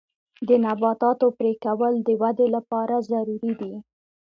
د نباتاتو پرې کول د ودې لپاره ضروري دي.